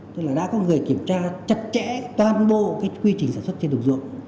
tức là đã có người kiểm tra chặt chẽ toàn bộ cái quy trình sản xuất trên đồng ruộng